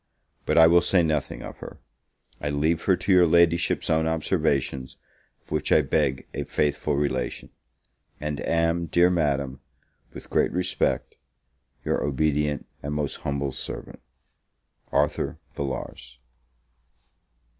But I will say nothing of her; I leave her to your Ladyship's own observations, of which I beg a faithful relation; and am, Dear Madam, with great respect, Your obedient and most humble Servant, ARTHUR VILLARS.